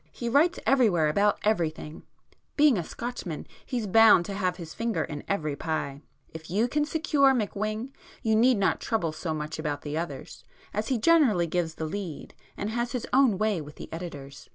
He writes everywhere about everything,—being a Scotchman he's bound to have his finger in every pie. If you can secure McWhing, you need not trouble so much about the others, as he generally gives the 'lead,' and has his own way with the editors.